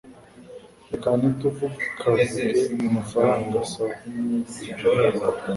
Reka ntitukavuge amafaranga sawa